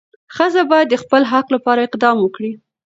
ښځه باید د خپل حق لپاره اقدام وکړي.